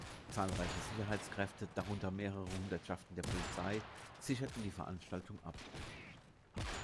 Zahlreiche Sicherheitskräfte, darunter mehrere Hundertschaften der Polizei, sicherten die Veranstaltung ab.